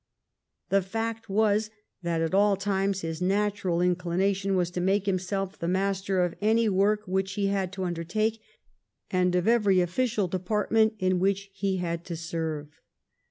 The fact was that at all times his natural inclination was to make himself the master of any work which he had to undertake, and of every official department in which he had to serve.